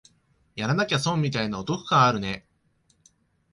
やらなきゃ損みたいなお得感あるね